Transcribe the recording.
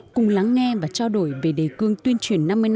cùng lắng nghe và trao đổi về đề cương tuyên truyền năm mươi năm